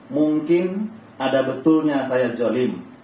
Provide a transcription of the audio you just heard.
mungkin ada betulnya saya zolim